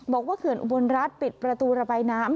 เขื่อนอุบลรัฐปิดประตูระบายน้ำ